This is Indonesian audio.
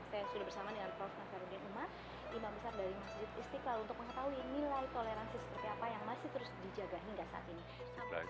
saya sudah bersama dengan prof nasarudin umar imam besar dari masjid istiqlal untuk mengetahui nilai toleransi seperti apa yang masih terus dijaga hingga saat ini